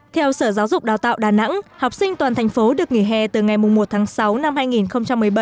theo sở giáo dục đào tạo đà nẵng học sinh toàn thành phố được nghỉ hè từ ngày một tháng sáu năm hai nghìn một mươi bảy